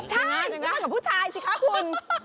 ใช่กับผู้ชายสิคะคุณ